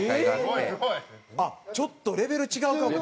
あっちょっとレベル違うかもね。